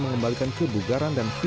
mengembalikan kebugaran dan kemampuan